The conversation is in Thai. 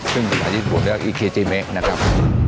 ซึ่งในภาษาญี่ปุ่นเรียกว่าอิเคจิเมะนะครับ